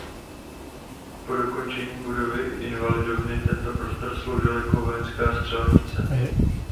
Po dokončení budovy Invalidovny tento prostor sloužil jako vojenská střelnice.